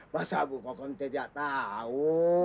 masa bu kokom teh tidak tahu